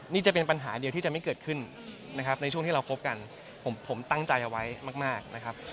นี่จะเป็นปัญหาเดียวที่จะไม่เกิดขึ้นนะครับในช่วงที่เราคบกันผมตั้งใจเอาไว้มากนะครับ